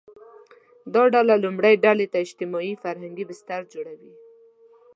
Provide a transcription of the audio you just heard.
دا ډله لومړۍ ډلې ته اجتماعي – فرهنګي بستر جوړوي